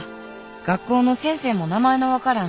学校の先生も名前の分からん